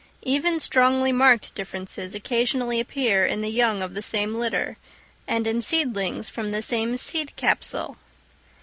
Even strongly marked differences occasionally appear in the young of the same litter, and in seedlings from the same seed capsule.